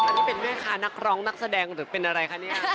อันนี้เป็นแม่ค้านักร้องนักแสดงหรือเป็นอะไรคะเนี่ย